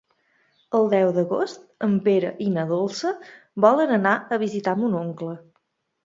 El deu d'agost en Pere i na Dolça volen anar a visitar mon oncle.